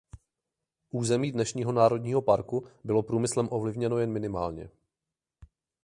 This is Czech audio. Území dnešního národního parku bylo průmyslem ovlivněno jen minimálně.